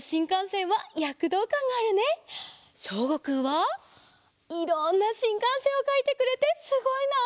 しょうごくんはいろんなしんかんせんをかいてくれてすごいな！